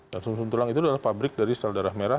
dan sum sum tulang itu adalah pabrik dari sel darah merah